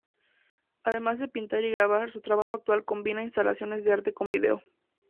Además de pintar y grabar, su trabajo actual combina instalaciones de arte con video.